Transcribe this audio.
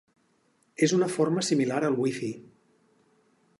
És una forma similar al Wi-Fi.